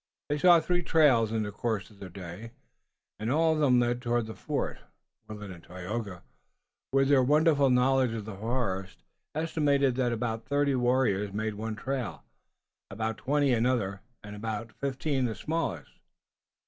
They saw three trails in the course of the day, and all of them led toward the fort. Willet and Tayoga, with their wonderful knowledge of the forest, estimated that about thirty warriors made one trail, about twenty another, and fifteen the smallest.